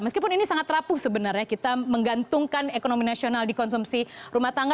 meskipun ini sangat rapuh sebenarnya kita menggantungkan ekonomi nasional di konsumsi rumah tangga